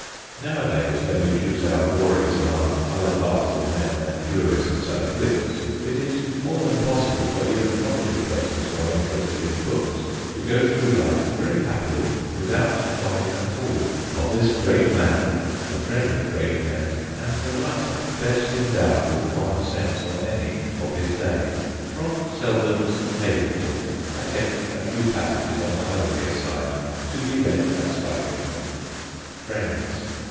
Nowadays, when we choose our glories among other classes of men than jurists and wits, it is more than possible for even cultured persons who are interested in books to go through life very happily without knowledge at all of this great man, the friend of great men and the writer best endowed with common sense of any of his day. From Selden's Table Talk I take a few passages on the homelier side, to be read at Salvington: [Sidenote: JOHN SELDEN'S WISDOM] FRIENDS.